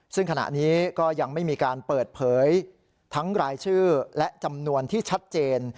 ซึ่งขณะนี้ก็ยังไม่มีการเปิดเผยทั้งรายชื่อและจำนวนที่ชัดเจน